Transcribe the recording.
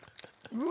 うわ！